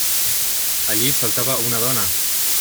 Allí faltava una dona!